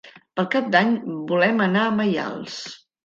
Per Cap d'Any volem anar a Maials.